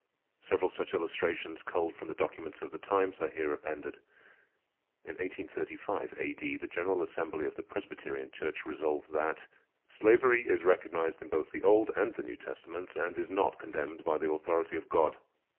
Several such illustrations, culled from the documents of the times, are here appended. In 1835 A.D., the General Assembly of the Presbyterian Church resolved that: "_slavery is recognized in both the Old and the New Testaments, and is not condemned by the authority of God.